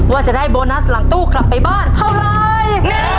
ว่าจะได้โบนัสหลังตู้กลับไปบ้านเท่าไร